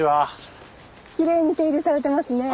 きれいに手入れされてますね。